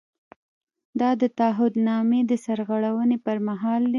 دا د تعهد نامې د سرغړونې پر مهال دی.